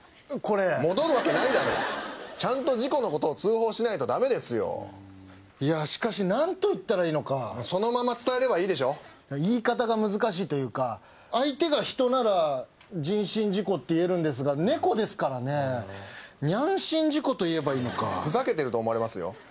これ戻るわけないだろちゃんと事故のことを通報しないとダメですよしかしなんと言ったらいいのかそのまま伝えればいいでしょ言い方が難しいというか相手が人なら人身事故って言えるんですが猫ですからねニャン身事故と言えばいいのかふざけてると思われますよ